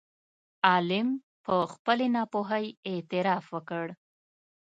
عالم په خپلې ناپوهۍ اعتراف وکړ.